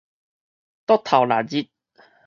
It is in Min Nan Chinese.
桌頭曆日